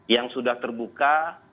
yang sudah terbuka